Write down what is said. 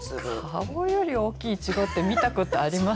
顔より大きいいちごって見たことあります？